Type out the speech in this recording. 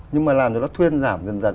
nhưng mà làm cho nó thuyên giảm dần dần